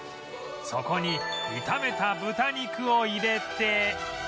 そこに炒めた豚肉を入れて